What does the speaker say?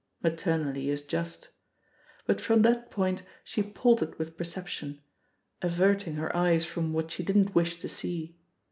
"Maternally" is just. But from that point she paltered with perception, averting her eyes from what she didn't wish to see.